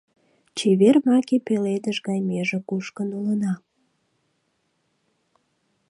Чевер маке пеледыш гай меже кушкын улына.